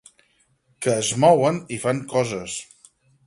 Que es mouen i fan coses.